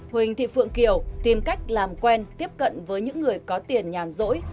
huỳnh thị phượng kiều tìm cách làm quen tiếp cận với những người có tiền nhàn rỗi